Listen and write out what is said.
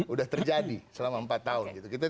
udah terjadi selama empat tahun